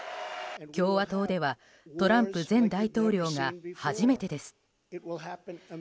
共和党ではトランプ前大統領が初めてです。